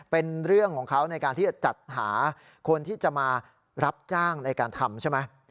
เป็นเรื่องของเขาในการที่จะจัดหาคนที่จะมารับจ้างในการทำใช่ไหม